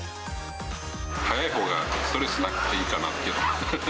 早いほうがストレスなくていいかなって。